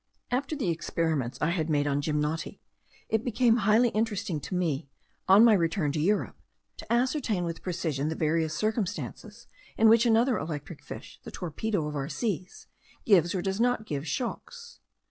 After the experiments I had made on gymnoti, it became highly interesting to me, on my return to Europe, to ascertain with precision the various circumstances in which another electric fish, the torpedo of our seas, gives or does not give shocks.